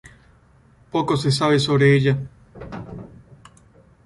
Poco se sabe sobre ella.